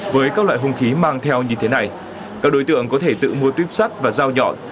với các loại hung khí mang theo như thế này các đối tượng có thể tự mua tuyếp sắt và dao nhọn